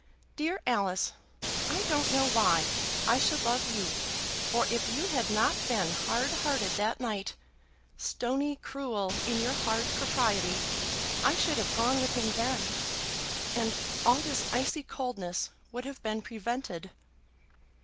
dear Alice! I don't know why I should love you, for if you had not been hardhearted that night, stony cruel in your hard propriety, I should have gone with him then, and all this icy coldness would have been prevented."